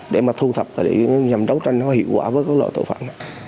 để mà thu thập để nhằm đấu tranh nó hiệu quả với các loại tội phạm